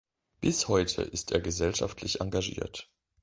Bis heute ist er gesellschaftlich engagiert.